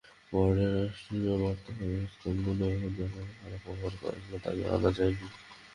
পরে রাষ্ট্রীয় বার্তা সংস্থা মেনা জানায়, খারাপ আবহাওয়ার কারণে তাঁকে আনা যায়নি।